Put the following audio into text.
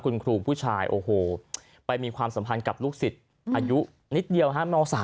คุณครูผู้ชายโอ้โหไปมีความสัมพันธ์กับลูกศิษย์อายุนิดเดียวฮะม๓